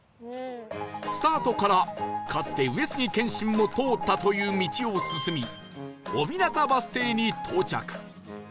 スタートからかつて上杉謙信も通ったという道を進み小日向バス停に到着